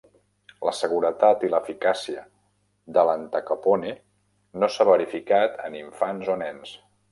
La seguretat i eficàcia de l'Entacapone no s'ha verificat en infants o nens.